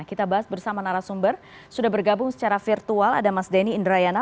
kita bahas bersama narasumber sudah bergabung secara virtual ada mas denny indrayana